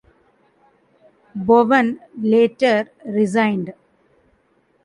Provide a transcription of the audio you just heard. Bowen later resigned.